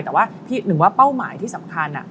แต่ว่าพี่หนึ่งว่าเป้าหมายที่สำคัญ